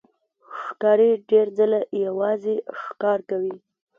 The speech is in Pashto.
ښکاري ډېر ځله یوازې ښکار کوي.